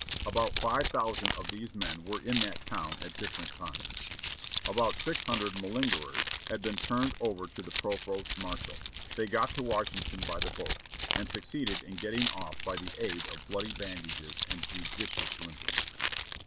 About five thousand of these men were in that town at different times. "About 600 malingerers have been turned over to the provost marshal ; they got to Washington by the boat, and succeeded in getting off by the aid of bloody bandages and judicious limping."